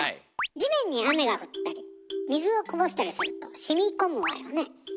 地面に雨が降ったり水をこぼしたりするとしみこむわよね。